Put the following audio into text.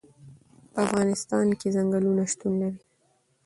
په افغانستان کې چنګلونه شتون لري.